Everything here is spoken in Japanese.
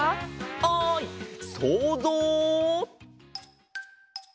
おいそうぞう！